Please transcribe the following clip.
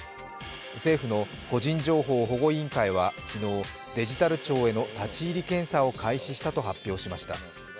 政府の個人情報保護委員会は昨日、デジタル庁への立入検査を開始したと発表しました。